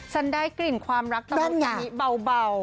ฉันได้กลิ่นความรักรู้สึกเงียบ่าว